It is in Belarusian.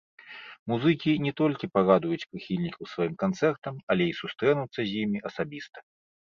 Музыкі не толькі парадуюць прыхільнікаў сваім канцэртам, але і сустрэнуцца з імі асабіста.